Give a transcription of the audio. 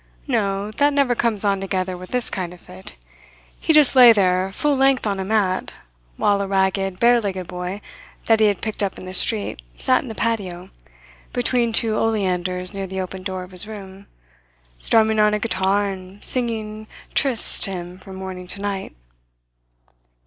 "No, that never comes on together with this kind of fit. He just lay there full length on a mat, while a ragged, bare legged boy that he had picked up in the street sat in the patio, between two oleanders near the open door of his room, strumming on a guitar and singing tristes to him from morning to night.